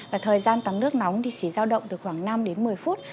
và thời gian tắm nước nóng thì chỉ giao động từ khoảng năm đến một mươi phút